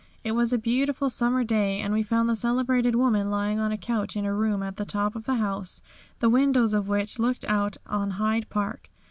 It was a beautiful summer day and we found the celebrated woman lying on a couch in a room at the top of the house, the windows of which looked out on Hyde Park.